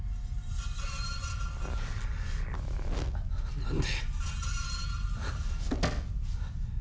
何で。